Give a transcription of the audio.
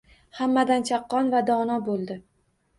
Hammadan chaqqon va dono boʻldi